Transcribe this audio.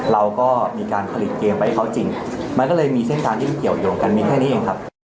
เราก็มีการผลิตเกมไว้เขาจริงมันก็เลยมีเส้นทางที่เกี่ยวยงกันมีแค่นี้เองครับ